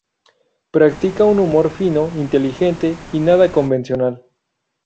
Practica un humor fino, inteligente y nada convencional.